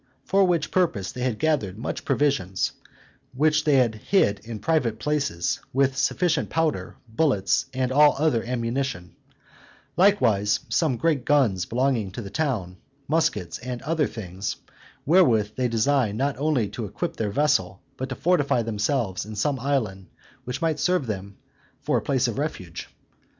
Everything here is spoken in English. For which purpose they had gathered much provisions, which they had hid in private places, with sufficient powder, bullets, and all other ammunition: likewise some great guns belonging to the town, muskets, and other things, wherewith they designed not only to equip their vessel, but to fortify themselves in some island which might serve them for a place of refuge.